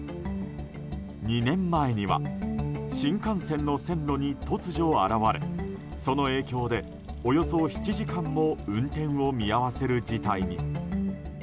２年前には新幹線の線路に突如現れこの影響で、およそ７時間も運転を見合わせる事態に。